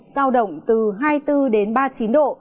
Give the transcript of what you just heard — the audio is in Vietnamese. giao động từ hai mươi bốn đến ba mươi chín độ